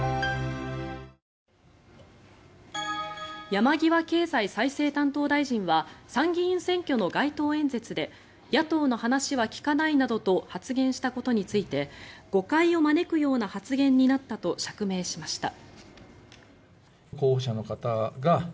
山際経済再生担当大臣は参議院選挙の街頭演説で野党の話は聞かないなどと発言したことについて誤解を招くような発言になったと釈明しました。